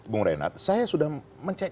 bung renat saya sudah mencek